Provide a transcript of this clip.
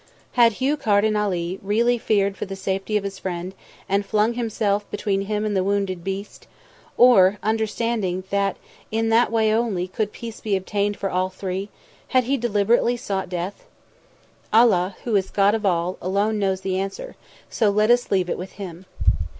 Had Hugh Carden Ali really feared for the safety of his friend and flung himself between him and the wounded beast, or, understanding that in that way only could peace be obtained for all three, had he deliberately sought death? Allah, who is God of all, alone knows the answer, so let us leave it with Him.